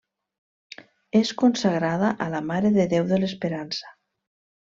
És consagrada a la Mare de Déu de l'Esperança.